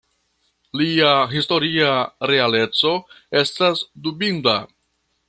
Lia historia realeco estas dubinda.